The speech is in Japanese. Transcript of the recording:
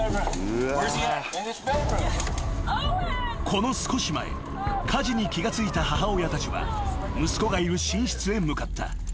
［この少し前火事に気が付いた母親たちは息子がいる寝室へ向かった］